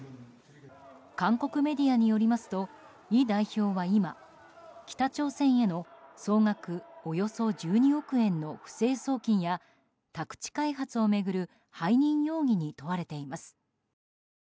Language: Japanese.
韓国メディアによりますとイ代表は今北朝鮮への総額およそ１２億円の不正送金や宅地開発を巡る背任容疑に問われています。